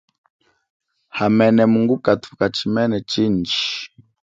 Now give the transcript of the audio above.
Hamene mungukathuka chimene chindji.